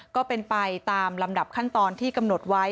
ก็เป็นไปตามลำดับขั้นตอนที่กำหนดไว้